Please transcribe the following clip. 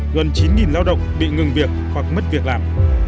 gần chín lao động bị ngừng việc hoặc mất việc làm